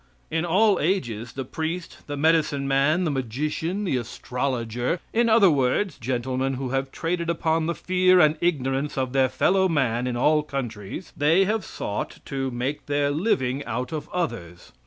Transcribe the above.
In all ages the priest, the medicine man, the magician, the astrologer, in other words, gentlemen who have traded upon the fear and ignorance of their fellow man in all countries they have sought to, make their living out of others.